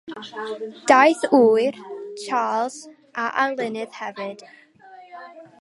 Daeth ŵyr, Charles, yn arlunydd hefyd.